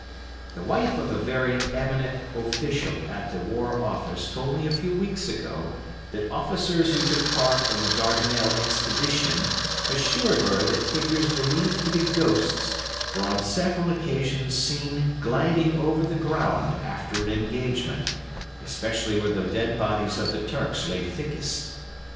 The wife of a very eminent official at the War Office told me a few weeks ago that officers who took part in the Dardanelles Expedition assured her that figures believed to be ghosts were on several occasions seen gliding over the ground after an engagement, especially where the dead bodies of the Turks lay thickest.